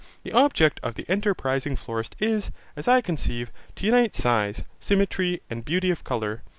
The object of the enterprising florist is, as I conceive, to unite size, symmetry, and beauty of colour.